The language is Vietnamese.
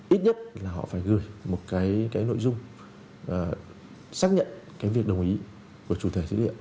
ít nhất là họ phải gửi một cái nội dung xác nhận cái việc đồng ý của chủ thể dữ liệu